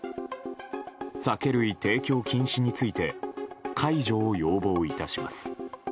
酒類提供禁止について解除を要望致します。